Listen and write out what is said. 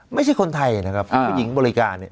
ไม่ใช่คนไทยนะครับผู้หญิงบริการเนี่ย